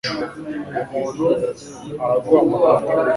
Umuntu araguhamagara